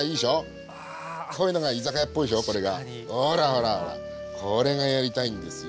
ほらほらこれがやりたいんですよ。